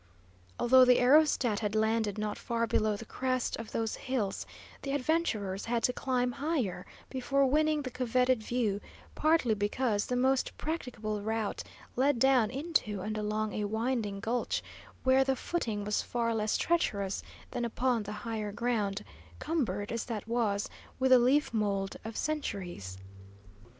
Although the aerostat had landed not far below the crest of those hills, the adventurers had to climb higher, before winning the coveted view, partly because the most practicable route led down into and along a winding gulch, where the footing was far less treacherous than upon the higher ground, cumbered, as that was, with the leaf mould of centuries.